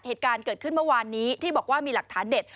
เหตุการณ์เกิดขึ้นเมื่อวานนี้ที่บอกว่ามีหลักฐานเด็ด